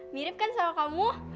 mirip kan sama kamu